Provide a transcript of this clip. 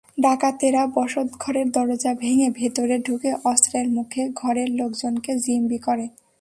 ডাকাতেরা বসতঘরের দরজা ভেঙে ভেতরে ঢুকে অস্ত্রের মুখে ঘরের লোকজনকে জিম্মি করে।